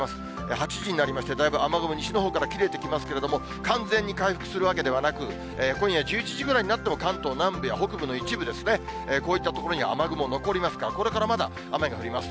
８時になりまして、だいぶ雨雲、西のほうから切れてきますけれども、完全に回復するわけではなく、今夜１１時ぐらいになっても、関東南部や北部の一部ですね、こういった所に雨雲残りますから、これからまだ雨が降ります。